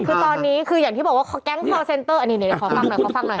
คือตอนนี้คืออย่างที่บอกว่าแก๊งคอร์เซ็นเตอร์อันนี้เดี๋ยวขอฟังหน่อยขอฟังหน่อย